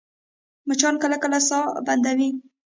مچان کله کله ساه بندوي